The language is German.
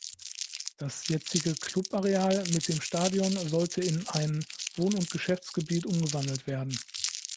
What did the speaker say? Das jetzige Club-Areal mit dem Stadion sollte in ein Wohn- und Geschäftsgebiet umgewandelt werden.